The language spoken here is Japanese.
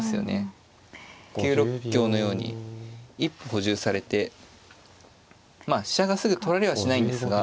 ９六香のように一歩補充されてまあ飛車がすぐ取られはしないんですが。